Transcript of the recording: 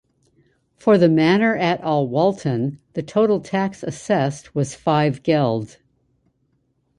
For the manor at Alwalton the total tax assessed was five geld.